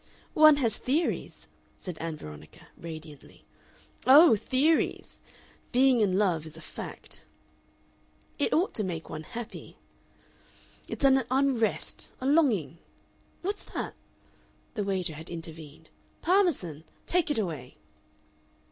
"One has theories," said Ann Veronica, radiantly. "Oh, theories! Being in love is a fact." "It ought to make one happy." "It's an unrest a longing What's that?" The waiter had intervened. "Parmesan take it away!"